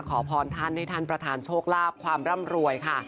ขอพรท่านให้ท่านประธานโชคลาภความร่ำรวยค่ะ